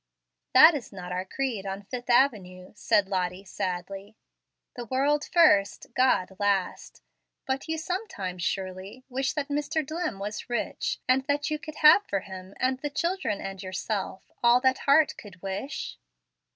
"That is not our creed on Fifth Avenue," said Lottie sadly. "The world first, God last. But you sometimes, surely, wish that Mr. Dlimm was rich, and that you could have for him and the children and yourself all that heart could wish?"